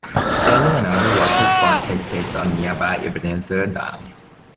Sailing and other watersport take place on nearby Ebenezer Dam.